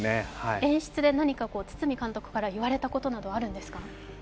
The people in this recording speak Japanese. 演出で何か堤監督から言われたことなどはあるんですか？